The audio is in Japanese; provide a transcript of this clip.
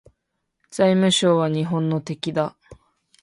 財務省は日本の敵だ